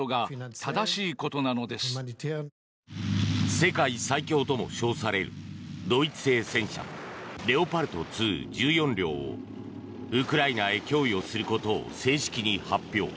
世界最強とも称されるドイツ製戦車レオパルト２１４両をウクライナへ供与することを正式に発表。